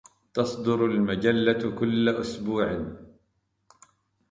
تصدر المجلة كل إسبوع.